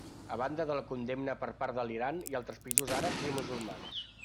A banda de la condemna per part de l'Iran i altres països àrabs i musulmans.